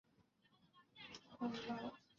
于是瓦岗军日盛。